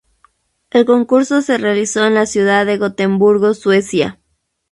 El concurso se realizó en la ciudad de Gotemburgo, Suecia.